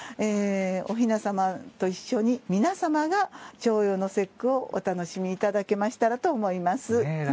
お雛様と一緒に皆様が重陽の節句をお楽しみいただけましたらと思います。